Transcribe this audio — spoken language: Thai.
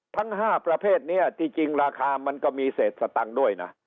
ทั้ง๕ประเภทนี้ที่จริงราคามันก็มีเศษสตังค์ด้วยนะ